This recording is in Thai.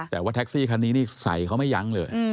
แต่ว่าแท็กซี่คันนี้นี่ใส่เขาไม่ยั้งเลย